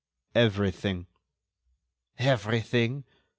"Everything." "Everything?